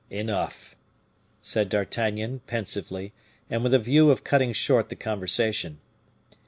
"Enough!" said D'Artagnan, pensively, and with a view of cutting short the conversation.